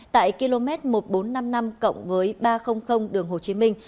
tại km một nghìn bốn trăm năm mươi năm cộng với ba trăm linh đường hồ chí minh